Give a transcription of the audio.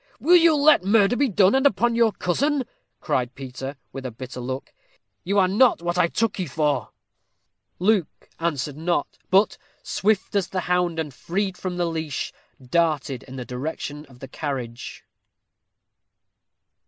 "Will you let murder be done, and upon your cousin?" cried Peter, with a bitter look. "You are not what I took you for." Luke answered not, but, swift as the hound freed from the leash, darted in the direction of the carriage.